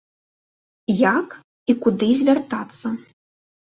Як і куды звяртацца?